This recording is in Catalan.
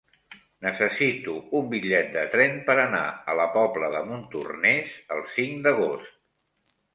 Necessito un bitllet de tren per anar a la Pobla de Montornès el cinc d'agost.